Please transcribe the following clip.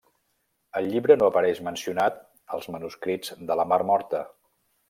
El llibre no apareix mencionat als Manuscrits de la mar Morta.